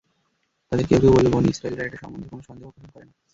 তাদের কেউ কেউ বলল, বনী ইসরাঈলরা এটা সম্বন্ধে কোন সন্দেহ পোষণ করে না।